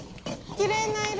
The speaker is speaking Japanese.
きれいな色！